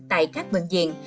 tại các bệnh viện